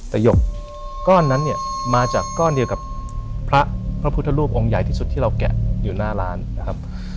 แต่หยกก้อนนั้นเนี่ยมาจากก้อนเดียวกับพระพระพุทธรูปองค์ใหญ่ที่สุดที่เราแกะอยู่หน้าร้านนะครับ